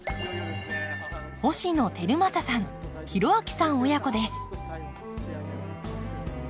星野晃正さん浩章さん親子です。